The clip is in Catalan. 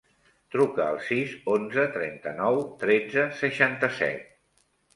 Truca al sis, onze, trenta-nou, tretze, seixanta-set.